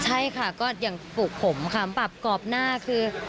ใช่ค่ะก็อย่างปลูกผมค่ะปรับกรอบหน้าคือ